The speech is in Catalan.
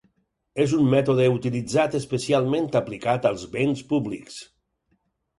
És un mètode utilitzat especialment aplicat als béns públics.